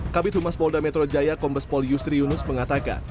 kabit humas polda metro jaya kombes pol yusri yunus mengatakan